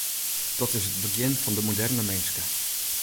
Dat is it begjin fan de moderne minske.